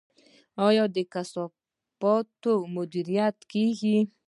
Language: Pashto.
آیا د کثافاتو مدیریت کیږي؟